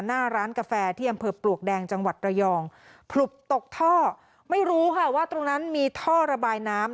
หน้าร้านกาแฟที่อำเภอปลวกแดงจังหวัดระยองผลุบตกท่อไม่รู้ค่ะว่าตรงนั้นมีท่อระบายน้ำ